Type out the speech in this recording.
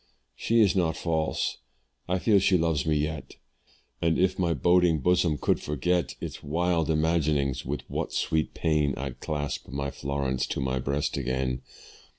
"She is not false I feel she loves me yet, "And if my boding bosom could forget "Its wild imaginings, with what sweet pain "I'd clasp my Florence to my breast again."